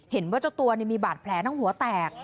เห็นว่าเจ้าตัวมีบาดแผลทั้งหัวแตก